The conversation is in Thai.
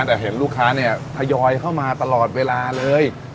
แต่เห็นลูกค้าเนี่ยทยอยเข้ามาตลอดเวลาเลย